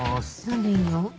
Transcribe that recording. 何でいんの？